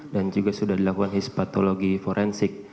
dan juga sudah dilakukan histopatologi forensik